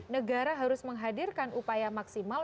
negara harus menghadirkan upaya maksimal